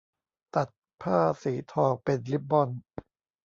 ตัดผ้าสีทองเป็นริบบอน